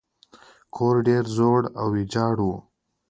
کور ډیر زوړ او ویجاړ و.